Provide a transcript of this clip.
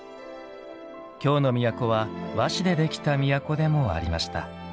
京の都は和紙でできた都でもありました。